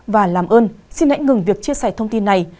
và làm ơn xin hãy ngừng việc chia sẻ thông tin này